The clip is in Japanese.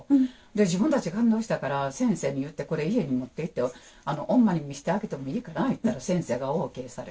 自分たち感動したから先生に言ってこれ家に持っていってオンマに見してあげてもいいかな言ったら先生がＯＫされてね。